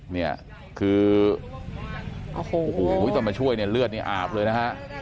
เนี่ยคือโอ้โหตอนมาช่วยเนี่ยเลือดนี่อาบเลยนะฮะ